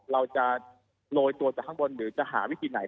เราจะโรยตัวจากข้างบนหรือจะหาวิธีไหน